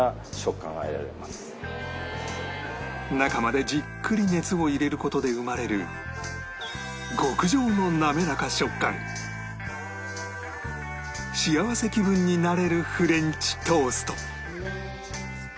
中までじっくり熱を入れる事で生まれる極上の幸せ気分になれるフレンチトースト